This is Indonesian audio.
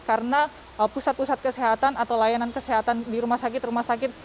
karena pusat pusat kesehatan atau layanan kesehatan di rumah sakit rumah sakit